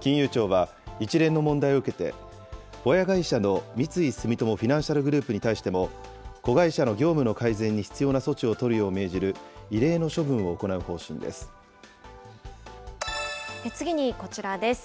金融庁は、一連の問題を受けて、親会社の三井住友フィナンシャルグループに対しても、子会社の業務の改善に必要な措置を取るよう命じる異例の処分を行次にこちらです。